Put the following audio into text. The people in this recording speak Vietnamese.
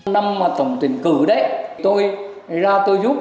năm tổng tuyển cử đấy tôi ra tôi giúp